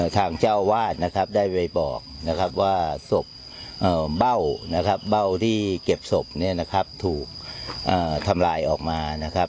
ทางเจ้าวาดได้ไปบอกว่าศพเบ้าที่เก็บศพถูกทำลายออกมา